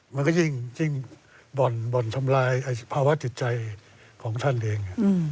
มันก็ยิ่งบ่อนทำลายภาวะจิตใจของท่านเอง